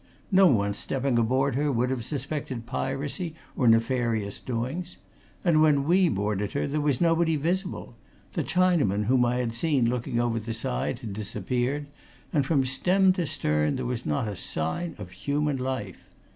No one stepping aboard her would have suspected piracy or nefarious doings. And when we boarded her, there was nobody visible the Chinaman whom I had seen looking over the side had disappeared, and from stem to stern there was not a sign of human life.